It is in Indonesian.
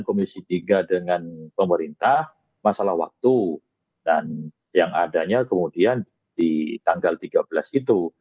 pemimpinan dpr dan yang adanya kemudian di tanggal tiga belas itu